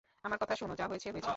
আমার কথা শোনো, যা হয়েছে হয়েছেই।